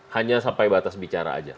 hanya sampai batas bicara saja